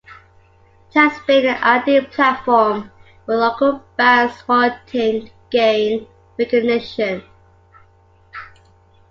It has been an ideal platform for local bands wanting to gain recognition.